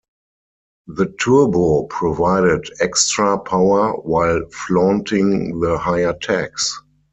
The turbo provided extra power while flaunting the higher tax.